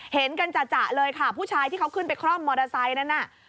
เห็นกันจ่ะเลยค่ะผู้ชายที่เขาขึ้นไปคร่อมมอเตอร์ไซค์นั้นน่ะ